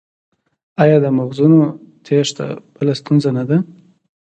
آیا د مغزونو تیښته بله ستونزه نه ده؟